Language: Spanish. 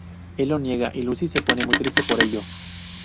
Él lo niega y Lucy se pone muy triste por ello.